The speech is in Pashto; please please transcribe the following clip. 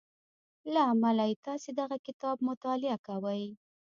له امله یې تاسې دغه کتاب مطالعه کوئ